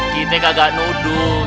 kita gak nuduh